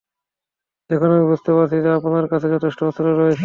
এখন আমি বুঝতে পারছি যে আপনার কাছে যথেষ্ট অস্ত্র রয়েছে।